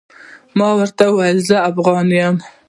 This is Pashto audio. ما ورته وويل زه افغان يم.